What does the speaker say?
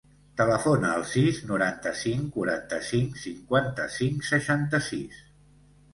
Telefona al sis, noranta-cinc, quaranta-cinc, cinquanta-cinc, seixanta-sis.